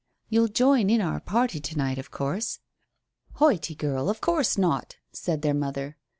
"You'll join our party to night, of course." "Hoity, girl, of course not," said their mother.